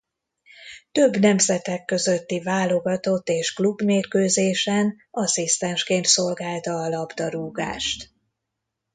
Több nemzetek közötti válogatott és klubmérkőzésen asszisztensként szolgálta a labdarúgást.